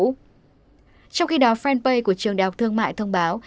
trong khi đó fanpage của trường đại học thương mại thông báo